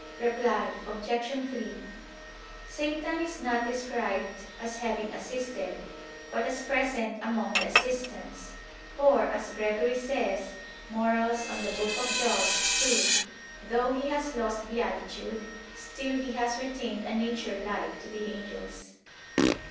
Reply Obj. 3: Satan is not described as having assisted, but as present among the assistants; for, as Gregory says (Moral. ii), "though he has lost beatitude, still he has retained a nature like to the angels."